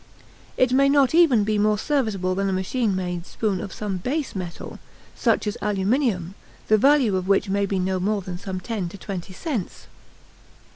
It may not even be more serviceable than a machine made spoon of some "base" metal, such as aluminum, the value of which may be no more than some ten to twenty cents.